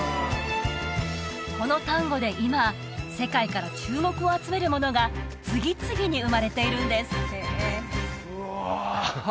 この丹後で今世界から注目を集めるものが次々に生まれているんですうわ